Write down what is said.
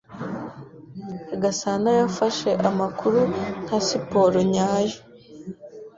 Gasana yafashe amakuru nka siporo nyayo.